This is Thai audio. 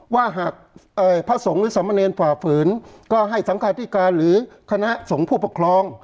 ว่าหากพระสงฆ์หรือสมเนรฝ่าฝืนก็ให้สังคาธิการหรือคณะสงฆ์ผู้ปกครอง